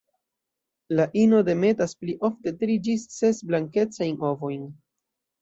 La ino demetas pli ofte tri ĝis ses blankecajn ovojn.